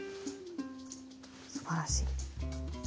すばらしい。